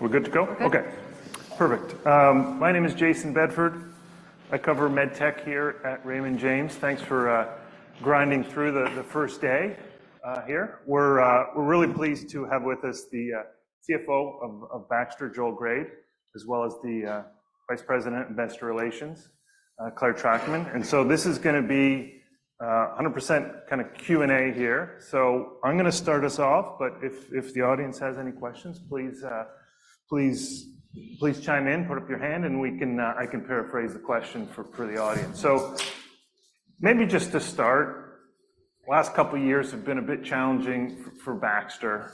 We're good to go? Okay. Okay, perfect. My name is Jayson Bedford. I cover med tech here at Raymond James. Thanks for grinding through the first day here. We're really pleased to have with us the CFO of Baxter, Joel Grade, as well as the Vice President of Investor Relations, Clare Trachtman. So this is going to be 100% kind of Q&A here. I'm going to start us off, but if the audience has any questions, please chime in, put up your hand, and I can paraphrase the question for the audience. Maybe just to start, the last couple of years have been a bit challenging for Baxter.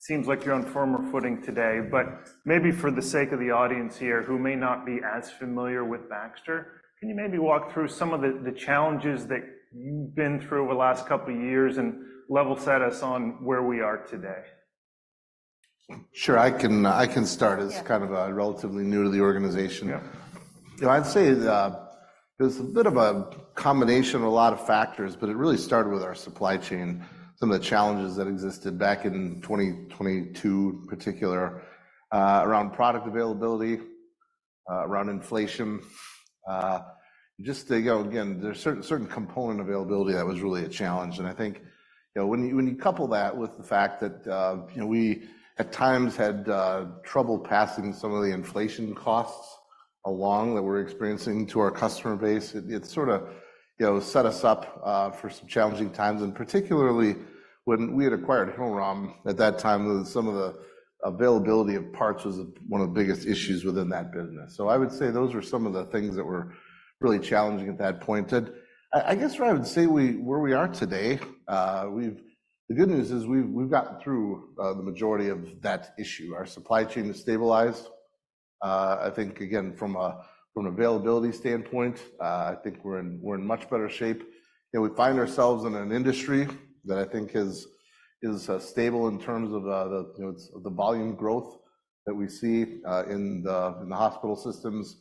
Seems like you're on firmer footing today. But maybe for the sake of the audience here who may not be as familiar with Baxter, can you maybe walk through some of the challenges that you've been through over the last couple of years and level set us on where we are today? Sure. I can start as kind of a relatively new to the organization. I'd say it was a bit of a combination of a lot of factors, but it really started with our supply chain, some of the challenges that existed back in 2022 in particular around product availability, around inflation. Just again, there's certain component availability that was really a challenge. I think when you couple that with the fact that we at times had trouble passing some of the inflation costs along that we're experiencing to our customer base, it sort of set us up for some challenging times. Particularly when we had acquired Hillrom at that time, some of the availability of parts was one of the biggest issues within that business. I would say those were some of the things that were really challenging at that point. I guess where I would say where we are today, the good news is we've gotten through the majority of that issue. Our supply chain is stabilized. I think, again, from an availability standpoint, I think we're in much better shape. We find ourselves in an industry that I think is stable in terms of the volume growth that we see in the hospital systems.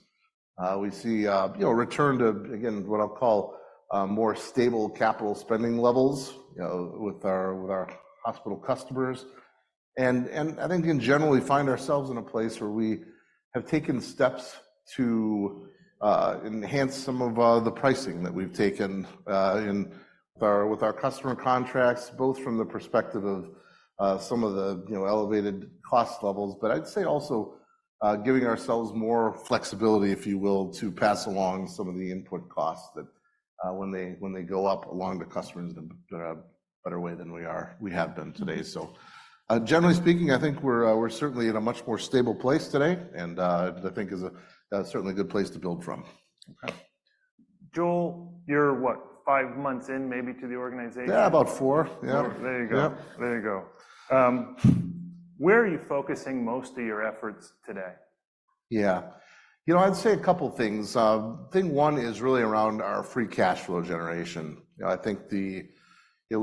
We see a return to, again, what I'll call more stable capital spending levels with our hospital customers. I think in general, we find ourselves in a place where we have taken steps to enhance some of the pricing that we've taken with our customer contracts, both from the perspective of some of the elevated cost levels, but I'd say also giving ourselves more flexibility, if you will, to pass along some of the input costs that when they go up along to customers in a better way than we have been today. Generally speaking, I think we're certainly in a much more stable place today, and I think it's certainly a good place to build from. Okay. Joel, you're, what, five months in maybe to the organization? Yeah, about 4. Yeah. There you go. There you go. Where are you focusing most of your efforts today? Yeah. I'd say a couple of things. Thing one is really around our free cash flow generation. I think we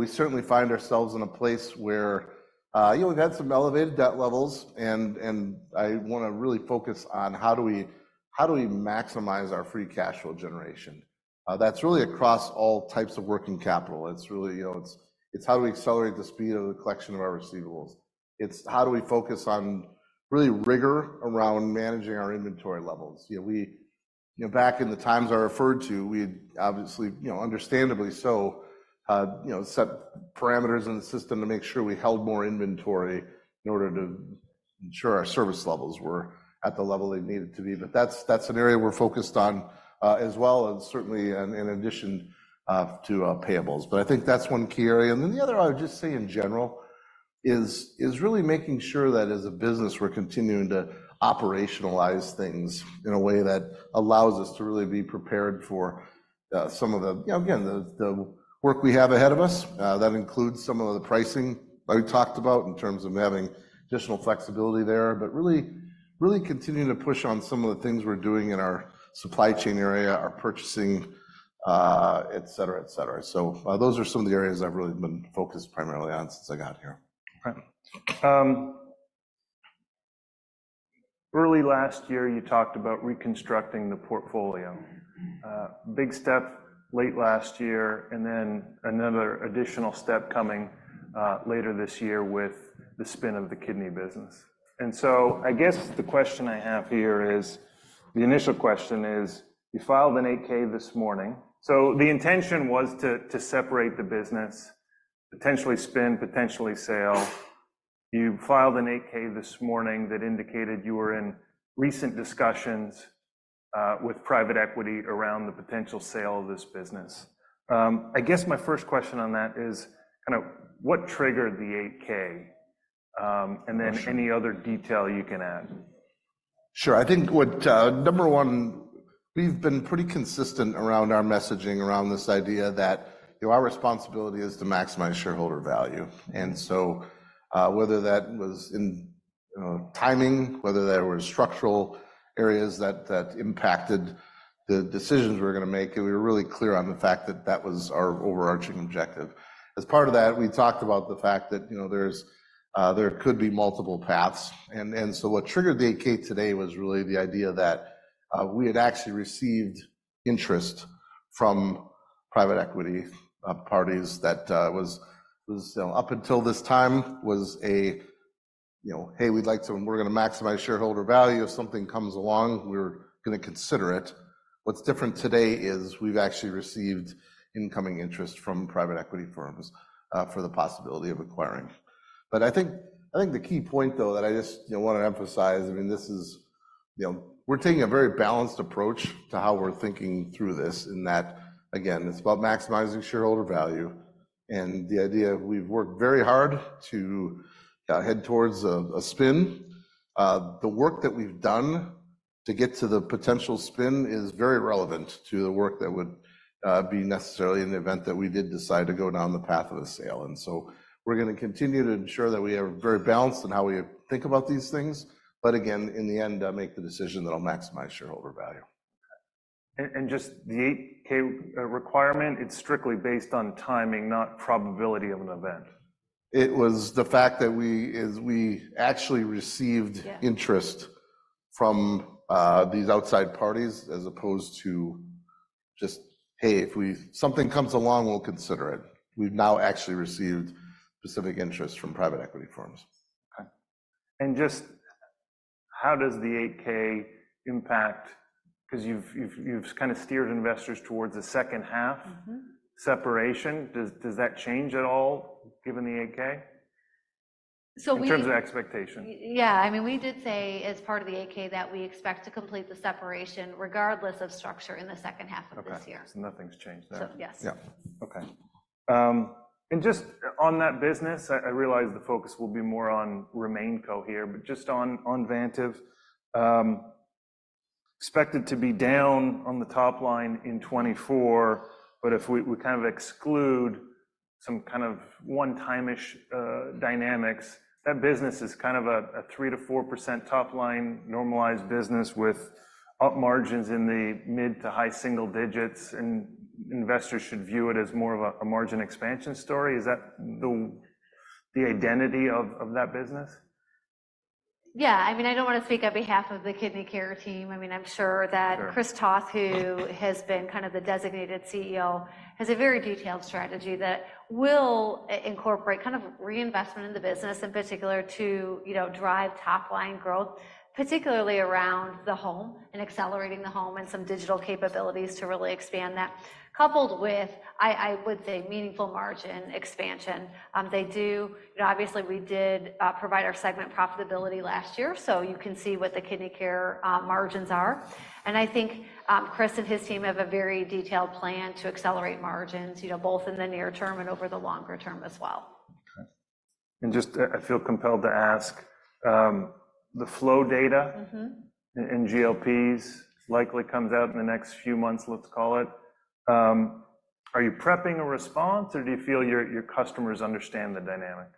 certainly find ourselves in a place where we've had some elevated debt levels, and I want to really focus on how do we maximize our free cash flow generation? That's really across all types of working capital. It's really how do we accelerate the speed of the collection of our receivables? It's how do we focus on really rigor around managing our inventory levels? Back in the times I referred to, we had obviously, understandably so, set parameters in the system to make sure we held more inventory in order to ensure our service levels were at the level they needed to be. But that's an area we're focused on as well, certainly in addition to payables. But I think that's one key area. And then the other, I would just say in general, is really making sure that as a business, we're continuing to operationalize things in a way that allows us to really be prepared for some of the, again, the work we have ahead of us. That includes some of the pricing that we talked about in terms of having additional flexibility there, but really continuing to push on some of the things we're doing in our supply chain area, our purchasing, etc., etc. So those are some of the areas I've really been focused primarily on since I got here. Okay. Early last year, you talked about reconstructing the portfolio. Big step late last year, and then another additional step coming later this year with the spin of the kidney business. And so I guess the question I have here is, the initial question is, you filed an 8-K this morning. So the intention was to separate the business, potentially spin, potentially sale. You filed an 8-K this morning that indicated you were in recent discussions with private equity around the potential sale of this business. I guess my first question on that is kind of what triggered the 8-K, and then any other detail you can add. Sure. I think number one, we've been pretty consistent around our messaging around this idea that our responsibility is to maximize shareholder value. And so whether that was in timing, whether there were structural areas that impacted the decisions we were going to make, we were really clear on the fact that that was our overarching objective. As part of that, we talked about the fact that there could be multiple paths. And so what triggered the 8-K today was really the idea that we had actually received interest from private equity parties that was up until this time was a, "Hey, we'd like to, and we're going to maximize shareholder value. If something comes along, we're going to consider it." What's different today is we've actually received incoming interest from private equity firms for the possibility of acquiring. But I think the key point, though, that I just want to emphasize, I mean, we're taking a very balanced approach to how we're thinking through this in that, again, it's about maximizing shareholder value. And the idea we've worked very hard to head towards a spin. The work that we've done to get to the potential spin is very relevant to the work that would be necessary in the event that we did decide to go down the path of a sale. And so we're going to continue to ensure that we have a very balanced and how we think about these things. But again, in the end, make the decision that I'll maximize shareholder value. Just the 8-K requirement, it's strictly based on timing, not probability of an event. It was the fact that we actually received interest from these outside parties as opposed to just, "Hey, if something comes along, we'll consider it." We've now actually received specific interest from private equity firms. Okay. And just how does the 8-K impact because you've kind of steered investors towards the second half separation? Does that change at all given the 8-K in terms of expectation? Yeah. I mean, we did say as part of the 8-K that we expect to complete the separation regardless of structure in the second half of this year. Okay. So nothing's changed there. So yes. Yeah. Okay. And just on that business, I realize the focus will be more on RemainCo here, but just on Vantive, expected to be down on the top line in 2024. But if we kind of exclude some kind of one-time-ish dynamics, that business is kind of a 3%-4% top line normalized business with up margins in the mid- to high-single-digits. And investors should view it as more of a margin expansion story. Is that the identity of that business? Yeah. I mean, I don't want to speak on behalf of the Kidney Care team. I mean, I'm sure that Chris Toth, who has been kind of the designated CEO, has a very detailed strategy that will incorporate kind of reinvestment in the business in particular to drive top line growth, particularly around the home and accelerating the home and some digital capabilities to really expand that, coupled with, I would say, meaningful margin expansion. Obviously, we did provide our segment profitability last year, so you can see what the Kidney Care margins are. And I think Chris and his team have a very detailed plan to accelerate margins, both in the near term and over the longer term as well. Okay. And just I feel compelled to ask, the flow data in GLPs likely comes out in the next few months, let's call it. Are you prepping a response, or do you feel your customers understand the dynamic?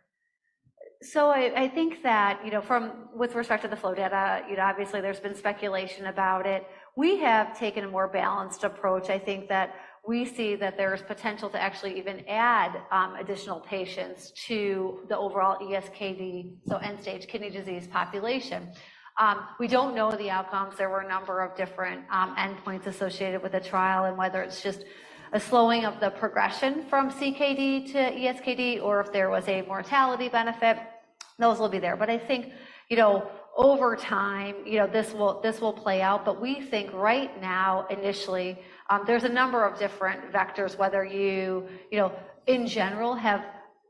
So I think that with respect to the flow data, obviously, there's been speculation about it. We have taken a more balanced approach. I think that we see that there's potential to actually even add additional patients to the overall ESKD, so end-stage kidney disease population. We don't know the outcomes. There were a number of different endpoints associated with the trial and whether it's just a slowing of the progression from CKD to ESKD or if there was a mortality benefit. Those will be there. But I think over time, this will play out. But we think right now, initially, there's a number of different vectors, whether you, in general, have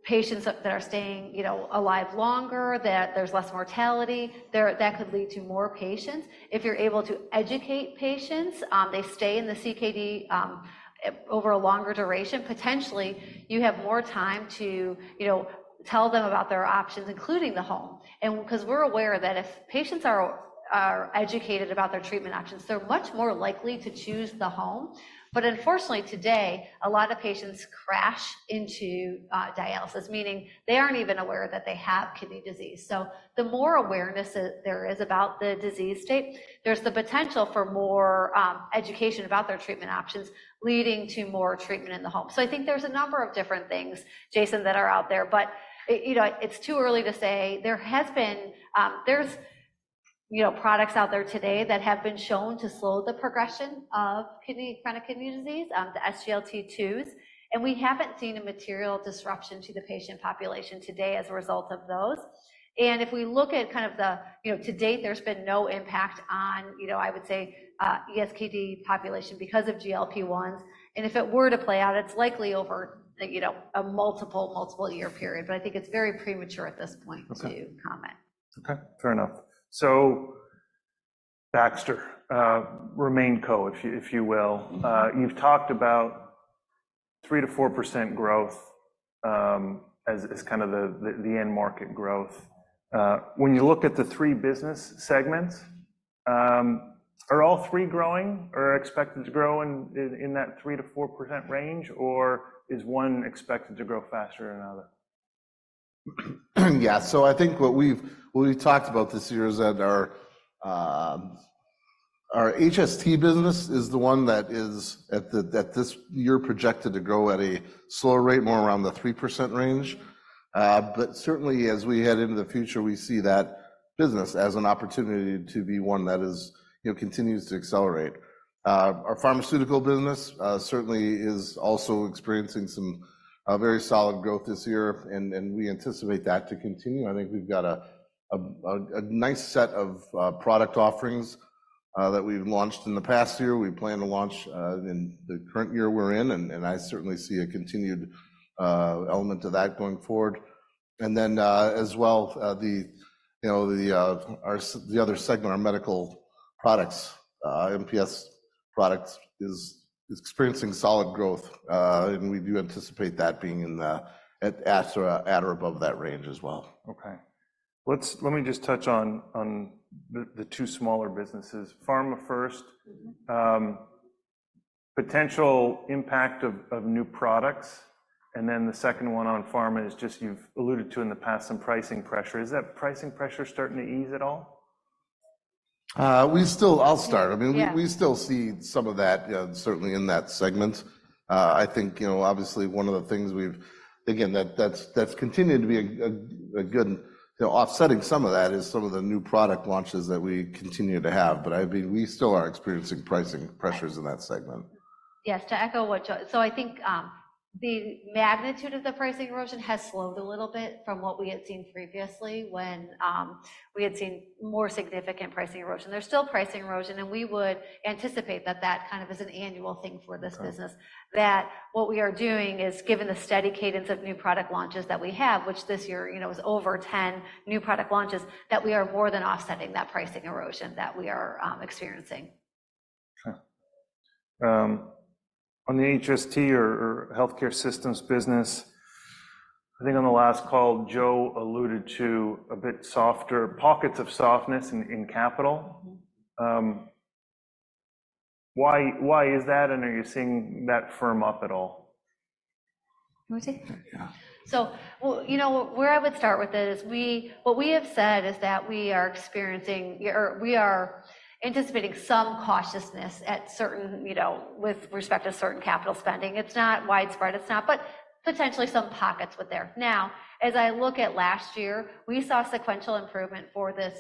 patients that are staying alive longer, that there's less mortality. That could lead to more patients. If you're able to educate patients, they stay in the CKD over a longer duration, potentially, you have more time to tell them about their options, including the home. And because we're aware that if patients are educated about their treatment options, they're much more likely to choose the home. But unfortunately, today, a lot of patients crash into dialysis, meaning they aren't even aware that they have kidney disease. So the more awareness there is about the disease state, there's the potential for more education about their treatment options leading to more treatment in the home. So I think there's a number of different things, Jayson, that are out there. But it's too early to say. There's products out there today that have been shown to slow the progression of chronic kidney disease, the SGLT2s. We haven't seen a material disruption to the patient population today as a result of those. If we look at kind of, to date, there's been no impact on, I would say, ESKD population because of GLP-1s. If it were to play out, it's likely over a multiple, multiple-year period. But I think it's very premature at this point to comment. Okay. Fair enough. So Baxter, RemainCo, if you will. You've talked about 3%-4% growth as kind of the end market growth. When you look at the three business segments, are all three growing or expected to grow in that 3%-4% range, or is one expected to grow faster than another? Yeah. So I think what we've talked about this year is that our HST business is the one that is at this year projected to grow at a slower rate, more around the 3% range. But certainly, as we head into the future, we see that business as an opportunity to be one that continues to accelerate. Our pharmaceutical business certainly is also experiencing some very solid growth this year, and we anticipate that to continue. I think we've got a nice set of product offerings that we've launched in the past year. We plan to launch in the current year we're in, and I certainly see a continued element of that going forward. And then as well, the other segment, our medical products, MPT products, is experiencing solid growth, and we do anticipate that being at or above that range as well. Okay. Let me just touch on the two smaller businesses, Pharma, potential impact of new products. And then the second one on pharma is just you've alluded to in the past some pricing pressure. Is that pricing pressure starting to ease at all? I'll start. I mean, we still see some of that, certainly in that segment. I think, obviously, one of the things we've, again, that's continuing to be a good offsetting some of that is some of the new product launches that we continue to have. But I mean, we still are experiencing pricing pressures in that segment. Yes. To echo what Joel, so I think the magnitude of the pricing erosion has slowed a little bit from what we had seen previously when we had seen more significant pricing erosion. There's still pricing erosion, and we would anticipate that that kind of is an annual thing for this business, that what we are doing is, given the steady cadence of new product launches that we have, which this year was over 10 new product launches, that we are more than offsetting that pricing erosion that we are experiencing. Okay. On the HST or healthcare systems business, I think on the last call, Joe alluded to a bit softer pockets of softness in capital. Why is that, and are you seeing that firm up at all? Can we see? Yeah. Where I would start with this is what we have said is that we are experiencing or we are anticipating some cautiousness with respect to certain capital spending. It's not widespread. It's not, but potentially some pockets with there. Now, as I look at last year, we saw sequential improvement for this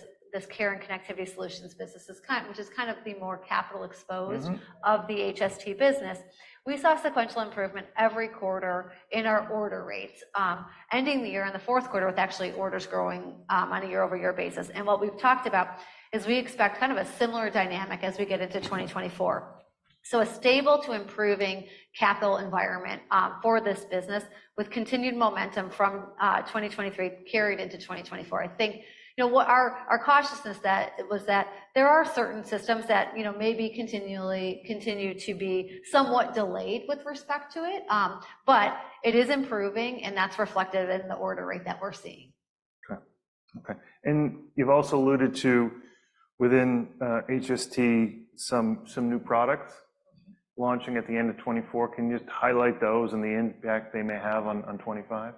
Care and Connectivity Solutions business, which is kind of the more capital exposed of the HST business. We saw sequential improvement every quarter in our order rates, ending the year in the fourth quarter with actually orders growing on a year-over-year basis. What we've talked about is we expect kind of a similar dynamic as we get into 2024. A stable to improving capital environment for this business with continued momentum from 2023 carried into 2024. I think our cautiousness was that there are certain systems that maybe continually continue to be somewhat delayed with respect to it, but it is improving, and that's reflected in the order rate that we're seeing. Okay. Okay. And you've also alluded to within HST some new products launching at the end of 2024. Can you highlight those and the impact they may have on 2025?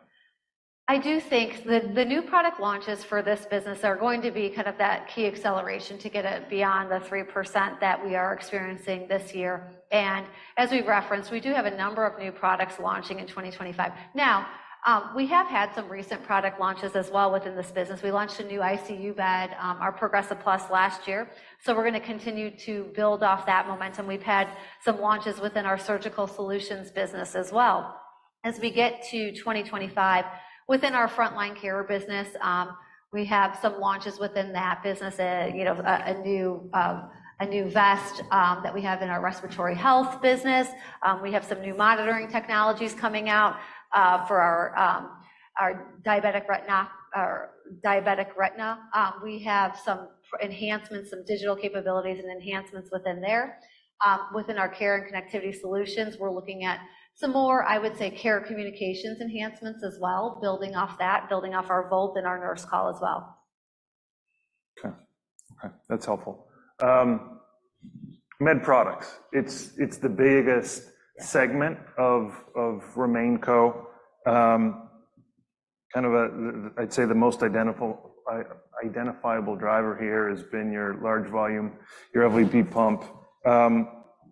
I do think the new product launches for this business are going to be kind of that key acceleration to get it beyond the 3% that we are experiencing this year. As we've referenced, we do have a number of new products launching in 2025. Now, we have had some recent product launches as well within this business. We launched a new ICU bed, our Progressa Plus, last year. We're going to continue to build off that momentum. We've had some launches within our Surgical Solutions business as well. As we get to 2025, within our Front Line Care business, we have some launches within that business, a new vest that we have in our Respiratory Health business. We have some new monitoring technologies coming out for our diabetic retina. We have some enhancements, some digital capabilities and enhancements within there. Within our care and connectivity solutions, we're looking at some more, I would say, Care Communications enhancements as well, building off that, building off our Voalte and our nurse call as well. Okay. Okay. That's helpful. Med products, it's the biggest segment of RemainCo. Kind of, I'd say, the most identifiable driver here has been your large volume, your LVP pump.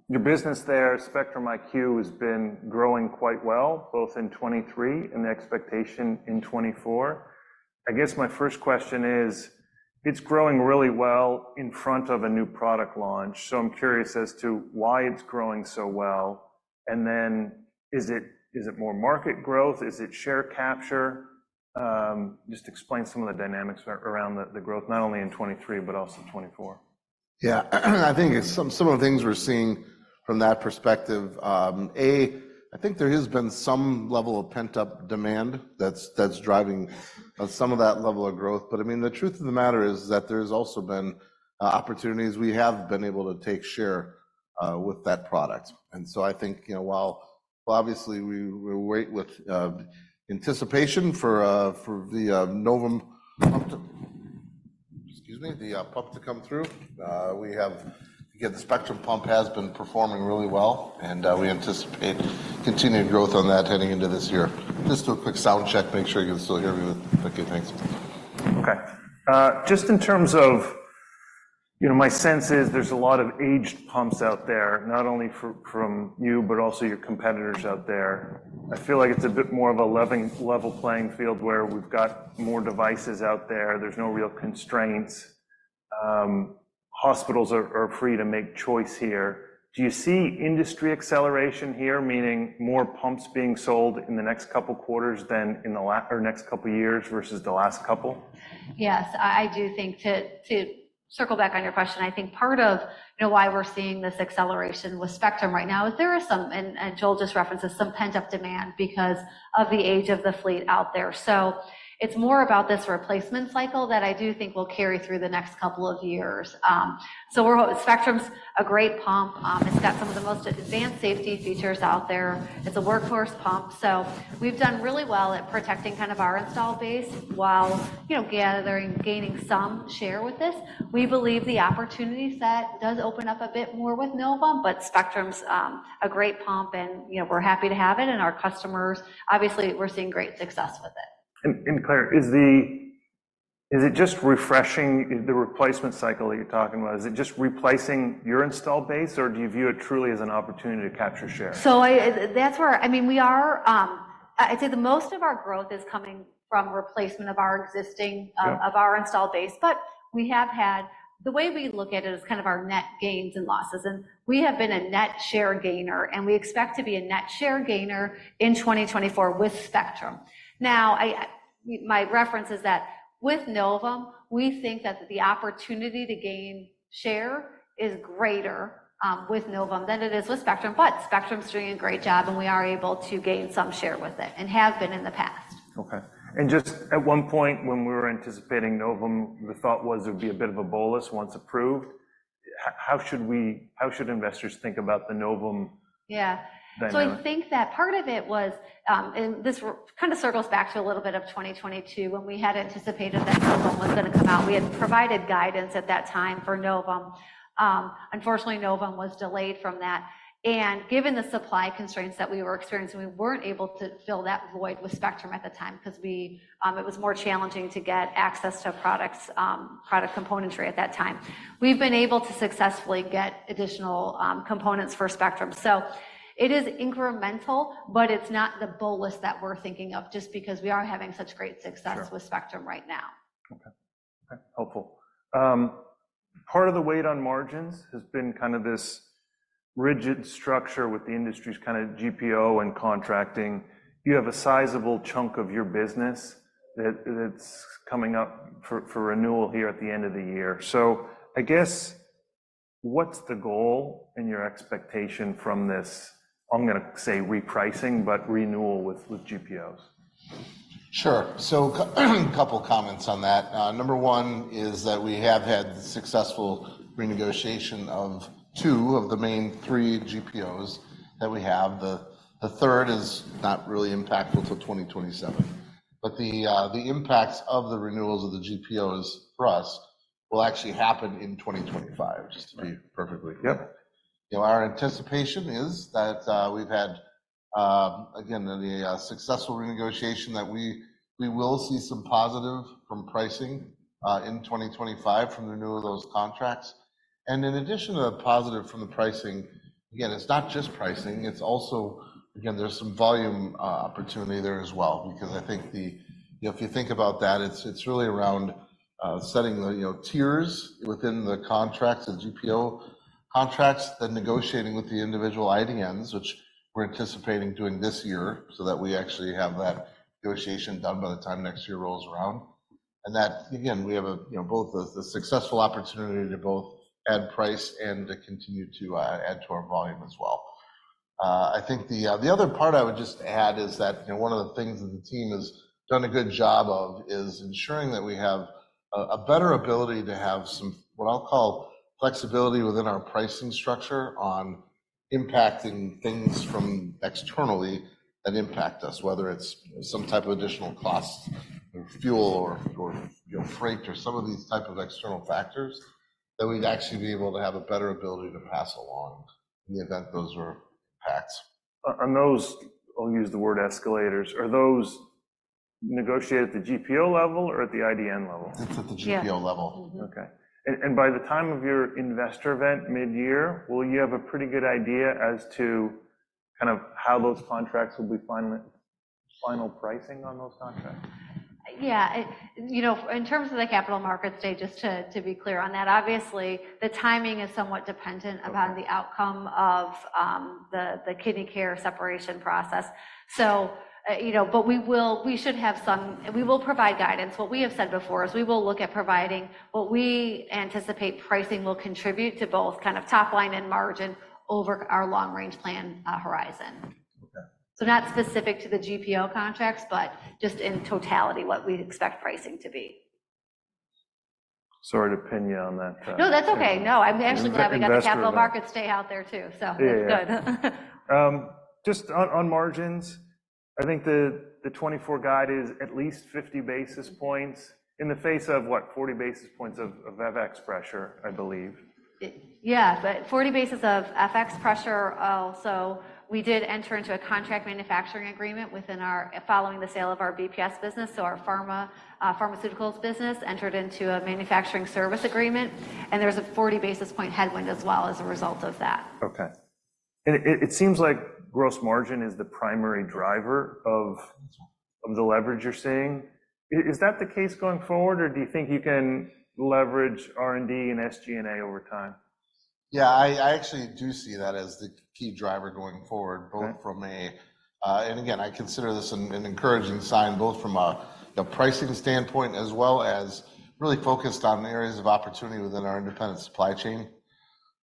Your business there, Spectrum IQ, has been growing quite well, both in 2023 and the expectation in 2024. I guess my first question is, it's growing really well in front of a new product launch. So I'm curious as to why it's growing so well. And then is it more market growth? Is it share capture? Just explain some of the dynamics around the growth, not only in 2023, but also 2024. Yeah. I think some of the things we're seeing from that perspective, A, I think there has been some level of pent-up demand that's driving some of that level of growth. But I mean, the truth of the matter is that there's also been opportunities. We have been able to take share with that product. And so I think while obviously, we wait with anticipation for the Novum pump to, excuse me, the pump to come through, we have to get the Spectrum pump has been performing really well, and we anticipate continued growth on that heading into this year. Just do a quick sound check, make sure you can still hear me. Okay. Thanks. Okay. Just in terms of my sense is there's a lot of aged pumps out there, not only from you, but also your competitors out there. I feel like it's a bit more of a level playing field where we've got more devices out there. There's no real constraints. Hospitals are free to make choice here. Do you see industry acceleration here, meaning more pumps being sold in the next couple of quarters than in the next couple of years versus the last couple? Yes. I do think to circle back on your question, I think part of why we're seeing this acceleration with Spectrum right now is there is some, and Joel just references, some pent-up demand because of the age of the fleet out there. So it's more about this replacement cycle that I do think will carry through the next couple of years. So Spectrum's a great pump. It's got some of the most advanced safety features out there. It's a workforce pump. So we've done really well at protecting kind of our install base while gaining some share with this. We believe the opportunity set does open up a bit more with Novum, but Spectrum's a great pump, and we're happy to have it. And our customers, obviously, we're seeing great success with it. Clare, is it just refreshing the replacement cycle that you're talking about? Is it just replacing your install base, or do you view it truly as an opportunity to capture share? So that's where, I mean, we are. I'd say the most of our growth is coming from replacement of our install base. But we have had the way we look at it is kind of our net gains and losses. And we have been a net share gainer, and we expect to be a net share gainer in 2024 with Spectrum. Now, my reference is that with Novum, we think that the opportunity to gain share is greater with Novum than it is with Spectrum. But Spectrum's doing a great job, and we are able to gain some share with it and have been in the past. Okay. And just at one point, when we were anticipating Novum, the thought was it would be a bit of a bolus once approved. How should investors think about the Novum dynamic? Yeah. So I think that part of it was, and this kind of circles back to a little bit of 2022 when we had anticipated that Novum was going to come out. We had provided guidance at that time for Novum. Unfortunately, Novum was delayed from that. And given the supply constraints that we were experiencing, we weren't able to fill that void with Spectrum at the time because it was more challenging to get access to product componentry at that time. We've been able to successfully get additional components for Spectrum. So it is incremental, but it's not the bolus that we're thinking of just because we are having such great success with Spectrum right now. Okay. Okay. Helpful. Part of the weight on margins has been kind of this rigid structure with the industry's kind of GPO and contracting. You have a sizable chunk of your business that's coming up for renewal here at the end of the year. So I guess what's the goal and your expectation from this, I'm going to say repricing, but renewal with GPOs? Sure. So a couple of comments on that. Number 1 is that we have had successful renegotiation of 2 of the main 3 GPOs that we have. The third is not really impactful till 2027. But the impacts of the renewals of the GPOs for us will actually happen in 2025, just to be perfectly. Yep. Our anticipation is that we've had, again, the successful renegotiation that we will see some positive from pricing in 2025 from the renewal of those contracts. And in addition to the positive from the pricing, again, it's not just pricing. It's also, again, there's some volume opportunity there as well because I think if you think about that, it's really around setting the tiers within the contracts, the GPO contracts, then negotiating with the individual IDNs, which we're anticipating doing this year so that we actually have that negotiation done by the time next year rolls around. And that, again, we have both the successful opportunity to both add price and to continue to add to our volume as well. I think the other part I would just add is that one of the things that the team has done a good job of is ensuring that we have a better ability to have some, what I'll call, flexibility within our pricing structure on impacting things from externally that impact us, whether it's some type of additional costs or fuel or freight or some of these types of external factors that we'd actually be able to have a better ability to pass along in the event those are packs. I'll use the word escalators. Are those negotiated at the GPO level or at the IDN level? It's at the GPO level. Okay. By the time of your investor event mid-year, will you have a pretty good idea as to kind of how those contracts will be final pricing on those contracts? Yeah. In terms of the capital markets, just to be clear on that, obviously, the timing is somewhat dependent upon the outcome of the kidney care separation process. But we will provide guidance. What we have said before is we will look at providing what we anticipate pricing will contribute to both kind of top line and margin over our long-range plan horizon. So not specific to the GPO contracts, but just in totality, what we expect pricing to be. Sorry to pin you on that. No, that's okay. No, I'm actually glad we got the Capital Markets Day out there too, so it's good. Just on margins, I think the 2024 guide is at least 50 basis points in the face of, what, 40 basis points of FX pressure, I believe. Yeah. But 40 basis points of FX pressure. We did enter into a contract manufacturing agreement following the sale of our BPS business. Our pharmaceuticals business entered into a manufacturing service agreement. There's a 40 basis point headwind as a result of that. Okay. It seems like gross margin is the primary driver of the leverage you're seeing. Is that the case going forward, or do you think you can leverage R&D and SG&A over time? Yeah. I actually do see that as the key driver going forward, both from a and again, I consider this an encouraging sign both from a pricing standpoint as well as really focused on areas of opportunity within our independent supply chain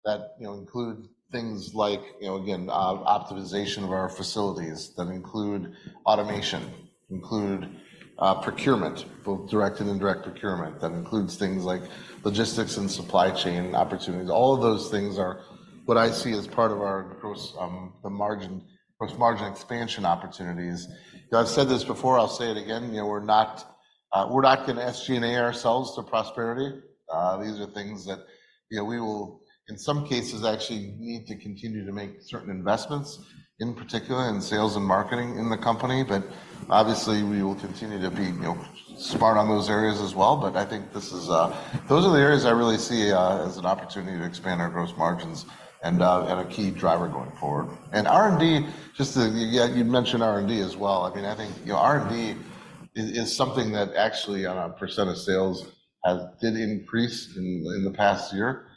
that include things like, again, optimization of our facilities that include automation, include procurement, both direct and indirect procurement that includes things like logistics and supply chain opportunities. All of those things are what I see as part of our gross margin expansion opportunities. I've said this before. I'll say it again. We're not going to SG&A ourselves to prosperity. These are things that we will, in some cases, actually need to continue to make certain investments, in particular, in sales and marketing in the company. But obviously, we will continue to be smart on those areas as well. I think those are the areas I really see as an opportunity to expand our gross margins and a key driver going forward. And R&D, just as you mentioned R&D as well. I mean, I think R&D is something that actually as a % of sales did increase in the past year.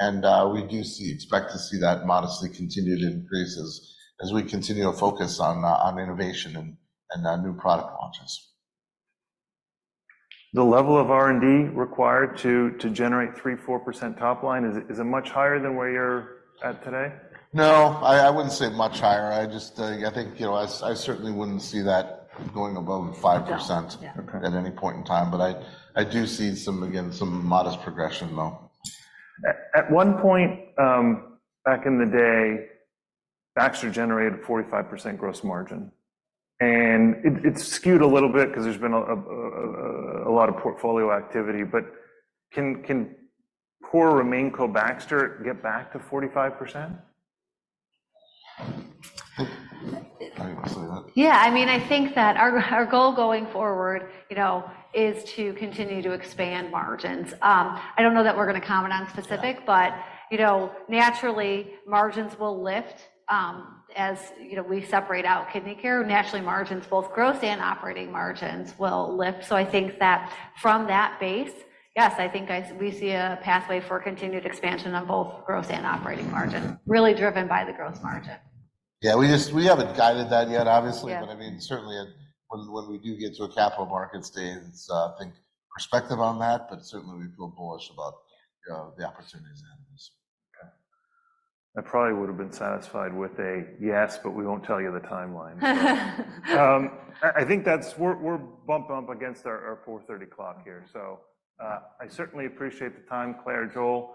And we do expect to see that modestly continued increase as we continue to focus on innovation and new product launches. The level of R&D required to generate 3%-4% top line is it much higher than where you're at today? No. I wouldn't say much higher. I think I certainly wouldn't see that going above 5% at any point in time. But I do see, again, some modest progression, though. At one point back in the day, Baxter generated a 45% gross margin. It's skewed a little bit because there's been a lot of portfolio activity. Can poor RemainCo Baxter get back to 45%? How do you want to say that? Yeah. I mean, I think that our goal going forward is to continue to expand margins. I don't know that we're going to comment on specific, but naturally, margins will lift as we separate out kidney care. Naturally, margins, both gross and operating margins, will lift. So I think that from that base, yes, I think we see a pathway for continued expansion on both gross and operating margins, really driven by the gross margin. Yeah. We haven't guided that yet, obviously. But I mean, certainly, when we do get to a Capital Markets day, I think perspective on that, but certainly, we feel bullish about the opportunities ahead of us. Okay. I probably would have been satisfied with a yes, but we won't tell you the timeline. I think we're bumping up against our 4:30 P.M. here. So I certainly appreciate the time, Clare, Joel.